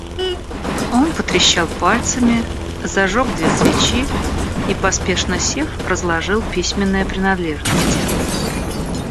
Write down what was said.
Он потрещал пальцами, зажег две свечи и, поспешно сев, разложил письменные принадлежности.